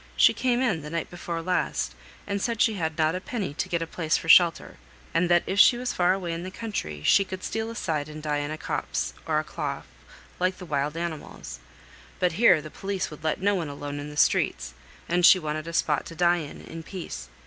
"She came in, the night before last, and said she had not a penny to get a place for shelter; and that if she was far away in the country she could steal aside and die in a copse, or a clough, like the wild animals; but here the police would let no one alone in the streets, and she wanted a spot to die in, in peace.